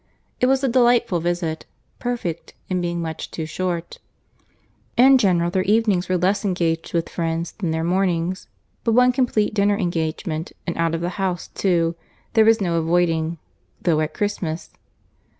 It was a delightful visit;—perfect, in being much too short. In general their evenings were less engaged with friends than their mornings; but one complete dinner engagement, and out of the house too, there was no avoiding, though at Christmas.